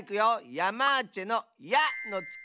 ヤマーチェの「や」のつく